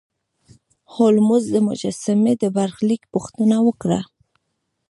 هولمز د مجسمې د برخلیک پوښتنه وکړه.